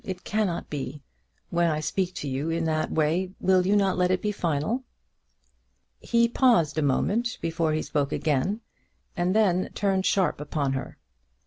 It cannot be. When I speak to you in that way, will you not let it be final?" He paused a moment before he spoke again, and then he turned sharp upon her.